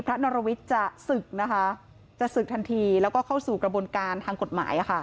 พระนรวิทธ์จะศึกทันทีแล้วก็เข้าสู่กระบวนการทางกฎหมายค่ะ